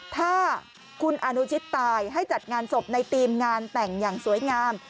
ถ้าคุณอนุชิตตายให้จัดงานศพในธีมงานแต่งอย่างสวยงาม